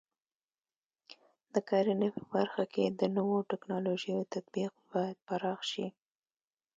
د کرنې په برخه کې د نوو ټکنالوژیو تطبیق باید پراخ شي.